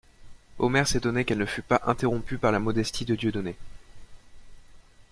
Omer s'étonnait qu'elle ne fût pas interrompue par la modestie de Dieudonné.